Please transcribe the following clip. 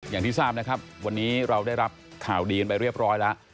อย่างที่ทราบนะครับวันนี้เราได้รับข่าวดีกันไปเรียบร้อยแล้ว